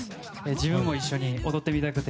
自分も一緒に踊ってみたくて。